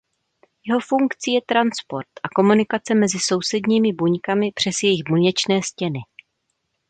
Jeho funkcí je transport a komunikace mezi sousedními buňkami přes jejich buněčné stěny.